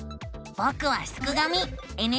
ぼくはすくがミ。